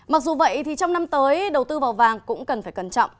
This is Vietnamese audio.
mặc dù vậy thì trong năm tới đầu tư vào vàng cũng cần phải cẩn trọng